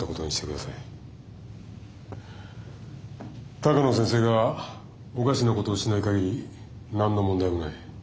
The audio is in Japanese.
鷹野先生がおかしなことをしない限り何の問題もない。